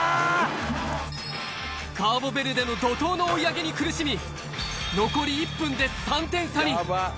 カーボベルデの怒涛の追い上げに苦しみ、残り１分で３点差に。